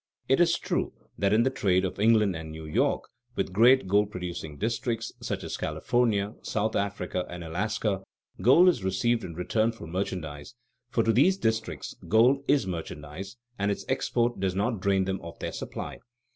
It is true that in the trade of England and New York with great gold producing districts, such as California, South Africa, and Alaska, gold is received in return for merchandise, for to these districts gold is merchandise and its export does not drain them of their supply.